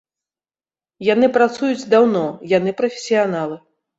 Яны працуюць даўно, яны прафесіяналы.